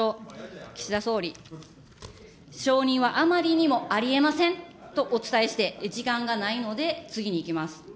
岸田総理、承認はあまりにもありえませんとお伝えして、時間がないので次にいきます。